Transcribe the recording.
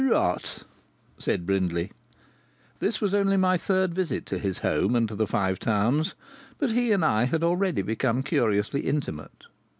"Rot!" said Brindley. This was only my third visit to his home and to the Five Towns, but he and I had already become curiously intimate.